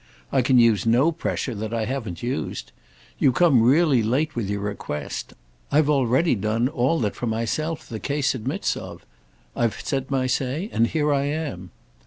I can use no pressure that I haven't used. You come really late with your request. I've already done all that for myself the case admits of. I've said my say, and here I am."